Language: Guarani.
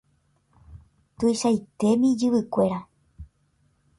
Tuichaitémi ijyvykuéra.